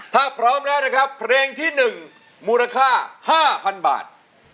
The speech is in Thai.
ถ้าพร้อมแล้วนะครับเพลงที่๑มูลค่า๕๐๐๐บาท